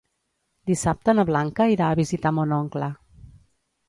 Dissabte na Blanca irà a visitar mon oncle.